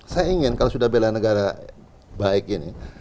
saya ingin kalau sudah belanegara baik ini